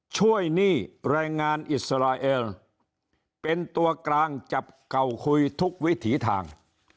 หนี้แรงงานอิสราเอลเป็นตัวกลางจับเก่าคุยทุกวิถีทาง